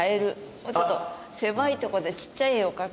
もうちょっと狭いとこでちっちゃい絵を描く。